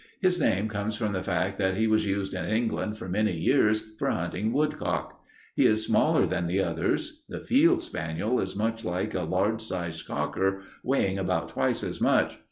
His name comes from the fact that he was used in England for many years for hunting woodcock. He is smaller than the others. The field spaniel is much like a large sized cocker, weighing about twice as much.